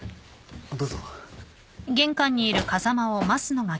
どうぞ。